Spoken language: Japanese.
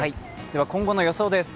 今後の予想です。